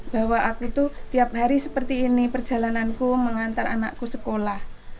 bahwa aku tuh tiap hari seperti ini perjalananku mengantar anakku sekolah